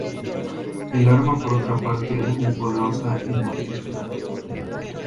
El arma, por otra parte, era muy poderosa y mortífera.